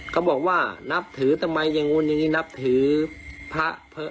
เขาบอกว่านับถือทำไมอย่างนู้นอย่างนี้นับถือพระ